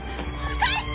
返して！